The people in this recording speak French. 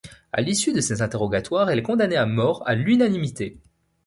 À l'issue de ces interrogatoires, elle est condamnée à mort à l'unanimité.